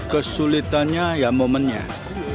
kesulitannya apa sih